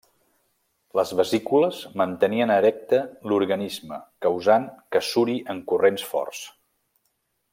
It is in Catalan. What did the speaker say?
Les vesícules mantenien erecte l'organisme, causant que suri en corrents forts.